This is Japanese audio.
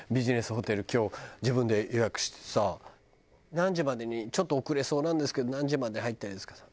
「何時までにちょっと遅れそうなんですけど何時までに入ったらいいですか？」。